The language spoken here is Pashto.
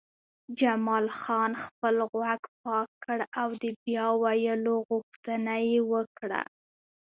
جمال خان خپل غوږ پاک کړ او د بیا ویلو غوښتنه یې وکړه